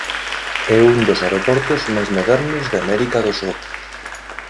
É un dos aeroportos máis modernos de América do Sur.